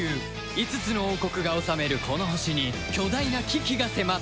５つの王国が治めるこの星に巨大な危機が迫っている